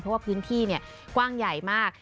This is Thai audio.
เพราะว่าพื้นที่กว้างใหญ่มาก